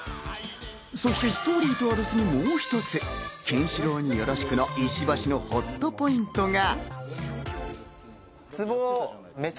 そしてストーリーとは別にもう一つ、『ケンシロウによろしく』の石橋のほっとポイントが。